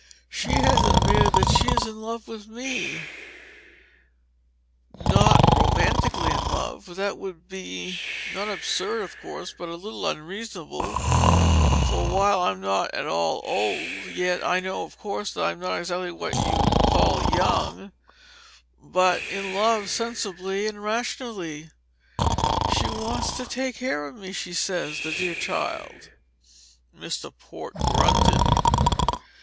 she has admitted that she is in love with me; not romantically in love, for that would be, not absurd, of course, but a little unreasonable for while I'm not at all old, yet I know, of course, that I am not exactly what can be called young but in love sensibly and rationally. She wants to take care of me, she says, the dear child!" (Mr. Port grunted.)